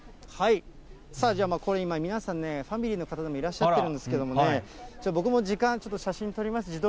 これ今、皆さんね、ファミリーの方もいらっしゃってるんですけどね、じゃあ、僕も時間、写真撮ります。